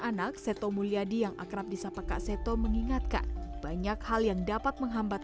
anak seto mulyadi yang akrab di sapa kak seto mengingatkan banyak hal yang dapat menghambat